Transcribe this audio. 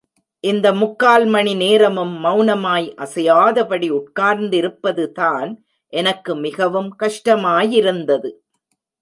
இந்த முக்கால் மணி நேரமும் மௌனமாய் அசையாதபடி உட்கார்ந்திருப்பதுதான் எனக்கு மிகவும் கஷ்டமாயிருந்தது.